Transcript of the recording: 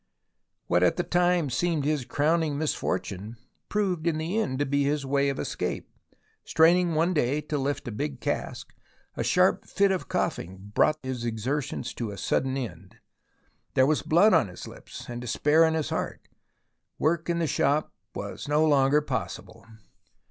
What at the time seemed his crowning mis fortune proved in the end to be his way of escape. THE ROMANCE OF EXCAVATION 165 Straining one day to lift a big cask, a sharp fit of coughing brought his exertions to a sudden end. There was blood on his lips and despair in his heart. Work in the shop was no longer possible.